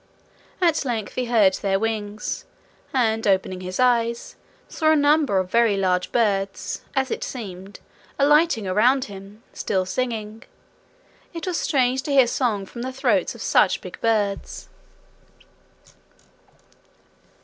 At length he heard their wings, and, opening his eyes, saw a number of very large birds, as it seemed, alighting around him, still singing. It was strange to hear song from the throats of such big birds.